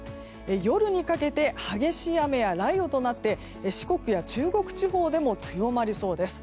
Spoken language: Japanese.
夜にかけて激しい雨や雷雨となって四国や中国地方でも強まりそうです。